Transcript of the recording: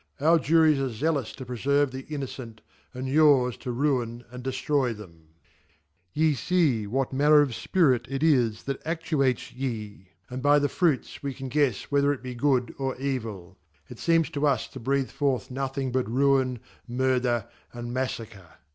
Our Juries are zealous to preferve\he Innocent y and yours to ruine and deft roy them. 2V fie what manner of Spirit it is that actuates ye; and ly the Fruits we canguefis whether it be good or evil: it fie ems to us to breath forth nothing but Ruine, Murther, and Mafiacre.